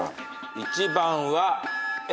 １番は。